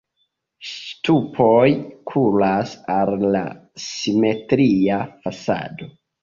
Ŝtupoj kuras al la simetria fasado.